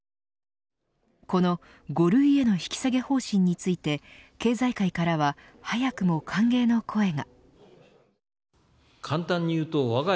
この５類への引き下げ方針について経済界からは早くも歓迎の声が。